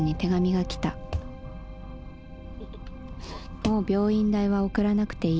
『もう病院代は送らなくていい。